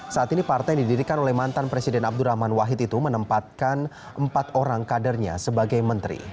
saat ini partai yang didirikan oleh mantan presiden abdurrahman wahid itu menempatkan empat orang kadernya sebagai menteri